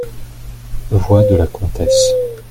Voix de la Comtesse.